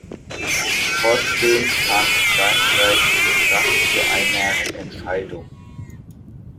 Trotzdem fand Frankreich die Kraft zu einer Entscheidung.